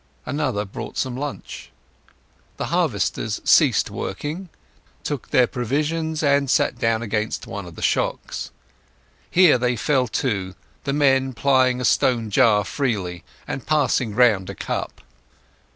Another brought some lunch. The harvesters ceased working, took their provisions, and sat down against one of the shocks. Here they fell to, the men plying a stone jar freely, and passing round a cup.